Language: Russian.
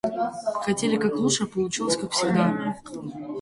Хотели как лучше, а получилось как всегда